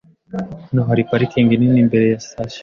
Hano hari parikingi nini imbere ya sitasiyo.